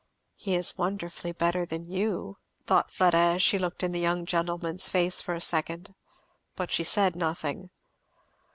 He is wonderfully better than you, thought Fleda as she looked in the young gentleman's face for a second, but she said nothing.